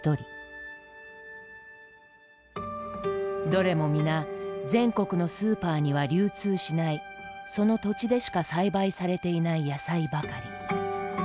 どれも皆全国のスーパーには流通しないその土地でしか栽培されていない野菜ばかり。